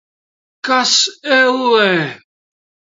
Kas, ellē?